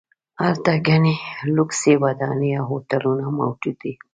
هلته ګڼې لوکسې ودانۍ او هوټلونه موجود دي.